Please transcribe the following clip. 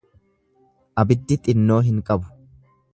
Abiddi xinnoo hin qabu.